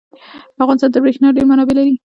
افغانستان د بریښنا ډیر منابع لري.